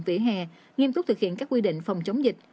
vỉa hè nghiêm túc thực hiện các quy định phòng chống dịch